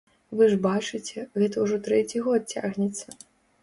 Вы ж бачыце, гэта ўжо трэці год цягнецца.